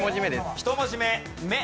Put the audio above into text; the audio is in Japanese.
１文字目「メ」。